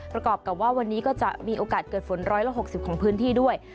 ประกอบกับว่าวันนี้ก็จะมีโอกาสเกิดฝน๑๖๐ของพื้นที่ด้วย